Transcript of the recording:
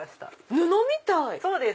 布みたい！